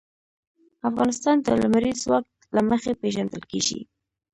افغانستان د لمریز ځواک له مخې پېژندل کېږي.